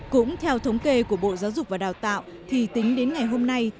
cũng theo thống kê của bộ giáo dục và đào tạo thì tính đến ngày hôm nay